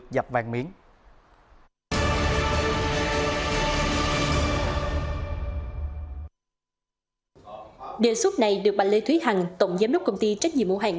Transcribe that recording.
đề xuất này được bà lê thúy hằng tổng giám đốc công ty trách nhiệm mẫu hàng